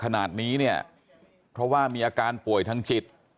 ขนาดนี้เนี่ยเพราะว่ามีอาการป่วยทางจิต